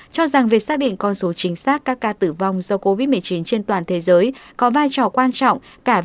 cho rằng việc xác định con số chính xác các ca tử vong do covid một mươi chín trên toàn thế giới có vai trò quan trọng